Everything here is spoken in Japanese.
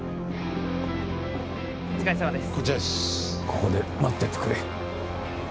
ここで待っててくれ。